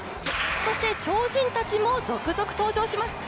そして超人たちも続々登場します。